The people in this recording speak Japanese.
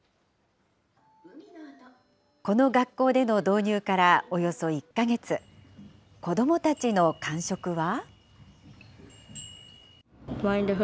この学校での導入からおよそ１か月、子どもたちの感触は。